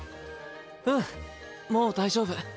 うんもう大丈夫。